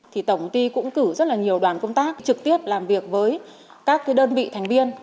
thì tổng công ty cũng cử rất là nhiều đoàn công tác trực tiếp làm việc với các đơn vị thành viên